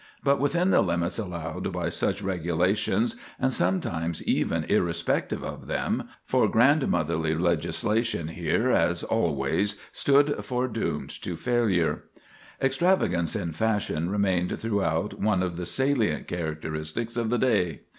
But within the limits allowed by such regulations, and sometimes even irrespective of them (for grandmotherly legislation here as always stood foredoomed to failure) extravagance in fashion remained throughout one of the salient characteristics of the day.